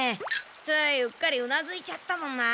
ついうっかりうなずいちゃったもんな。